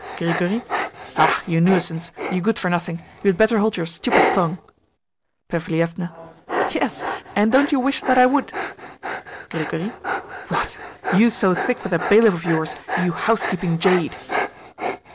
Grigory. Ah, you nuisance, you good for nothing, you had better hold your stupid tongue. Perfilievna. Yes; and don't you wish that I would? Grigory. What? You so thick with that bailiff of yours, you housekeeping jade!